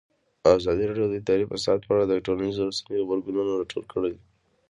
ازادي راډیو د اداري فساد په اړه د ټولنیزو رسنیو غبرګونونه راټول کړي.